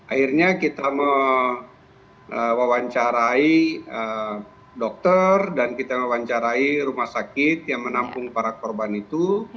akhirnya kita mewawancarai dokter dan kita mewawancarai rumah sakit yang menampung para korban itu